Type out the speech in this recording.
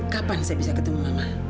kapan saya bisa ketemu mama